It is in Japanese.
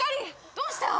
どうしたん？